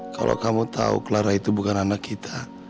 kalau kamu tahu clara itu bukan anak kita